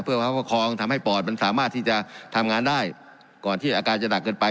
เพื่อความประคองทำให้ปอดมันสามารถที่จะทำงานได้ก่อนที่อาการจะหนักเกินไป